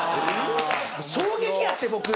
衝撃やって僕。